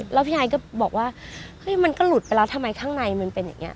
แล้วพี่ไอก็บอกว่าเฮ้ยมันก็หลุดไปแล้วทำไมข้างในมันเป็นอย่างนี้